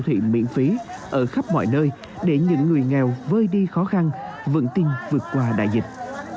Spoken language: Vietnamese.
thiện miễn phí ở khắp mọi nơi để những người nghèo vơi đi khó khăn vững tin vượt qua đại dịch